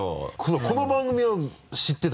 この番組を知ってた？